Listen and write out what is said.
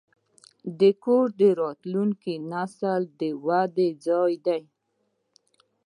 کور د راتلونکي نسل د ودې ځای دی.